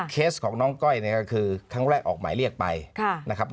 เคสของน้องก้อยเนี่ยก็คือครั้งแรกออกหมายเรียกไปนะครับ